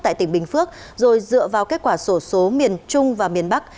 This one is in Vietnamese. tại tỉnh bình phước rồi dựa vào kết quả sổ số miền trung và miền bắc